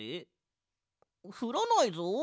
ふらないぞあめ。